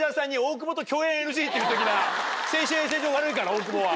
大久保は。